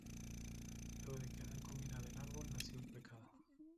Luego de que Adán comiera del árbol, nació el pecado.